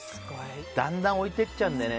だんだん置いていっちゃうんだよね。